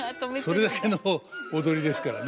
それだけの踊りですからね。